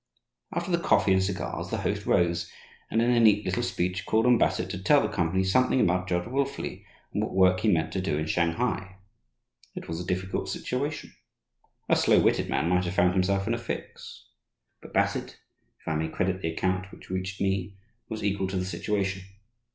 After the coffee and cigars, the host rose, and in a neat little speech called on Bassett to tell the company something about Judge Wilfley and what work he meant to do in Shanghai. It was a difficult situation. A slow witted man might have found himself in a fix. But Bassett, if I may credit the account which reached me, was equal to the situation.